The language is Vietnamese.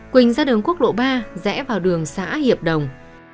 quỳnh ra đường quốc lộ ba rẽ vào đường xã hiệp đồng